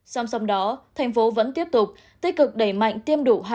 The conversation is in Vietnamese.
xong xong đó thành phố vẫn tiếp tục tích cực đẩy mạnh tiêm đủ hai